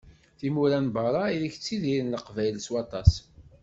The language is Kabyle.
Timura n berra ideg ttidiren Leqbayel s waṭas.